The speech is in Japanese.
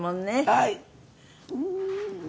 はい。